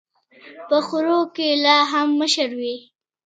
په خرو کي لا هم مشر وي.